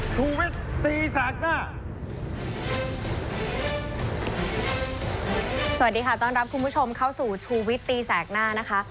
สวัสดีค่ะต้อนรับคุณผู้ชมเข้าสู่ชูวิตตีแสกหน้านะคะ